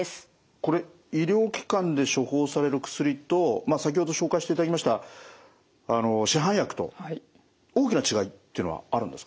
これ医療機関で処方される薬と先ほど紹介していただきました市販薬と大きな違いっていうのはあるんですか？